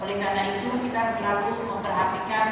oleh karena itu kita selalu memperhatikan